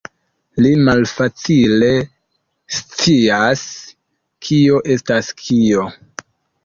Li malfacile scias kio estas kio.